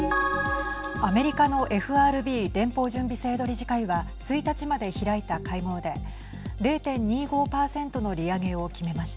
アメリカのＦＲＢ＝連邦準備制度理事会は１日まで開いた会合で０．２５％の利上げを決めました。